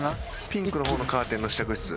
ピンクの方のカーテンの試着室。